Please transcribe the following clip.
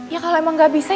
ya kalau emang gak bisa